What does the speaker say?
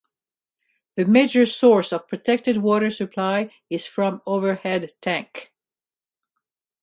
The major source of protected water supply is from overhead tank.